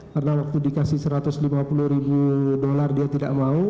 karena waktu dikasih satu ratus lima puluh ribu dolar dia tidak mau